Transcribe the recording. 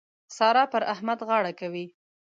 سارا پر احمد غاړه کوي.